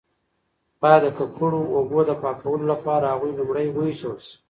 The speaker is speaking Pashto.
باید د ککړو اوبو د پاکولو لپاره هغوی لومړی وایشول شي.